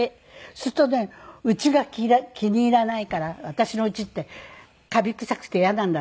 するとねうちが気に入らないから私のうちってカビ臭くてイヤなんだって。